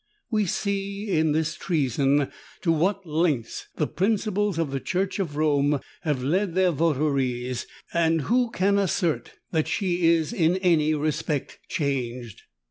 We see, in this treason, to what lengths the principles of the Church of Rome have led their votaries: and who can assert that she is, in any respect, changed?